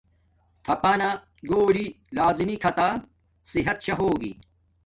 تھاپانا گھولی لازمی کھاتا صحت شا ہوگی